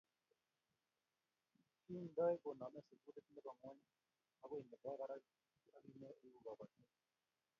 Kintoen koname sukulit ne bo ngony okoi ne bo barak akinyoo ieku kabotin?